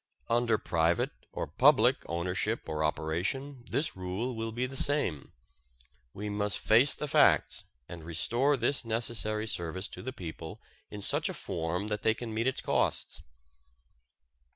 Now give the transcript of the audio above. Under private, or public, ownership or operation this rule will be the same. We must face the facts and restore this necessary service to the people in such a form that they can meet its costs.